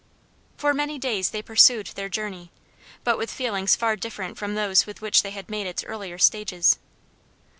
For many days they pursued their journey, but with feelings far different from those with which they had made its earlier stages.